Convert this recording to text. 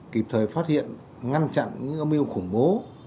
kịp thời phát hiện ngăn chặn những âm mưu khủng bố